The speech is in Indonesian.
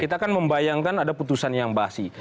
kita kan membayangkan ada putusan yang basi